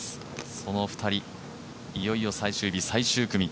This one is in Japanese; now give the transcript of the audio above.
その２人、いよいよ最終日最終組。